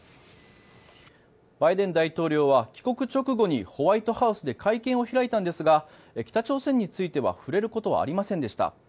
バイデン大統領は帰国直後にホワイトハウスで会見を開いたんですが北朝鮮については触れることはありませんでした。